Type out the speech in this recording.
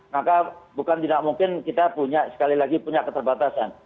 maka bukan tidak mungkin kita punya sekali lagi punya keterbatasan